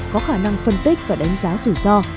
có khả năng phân tích và đánh giá rủi ro